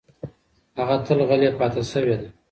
هغه تل غلې پاتې شوې ده.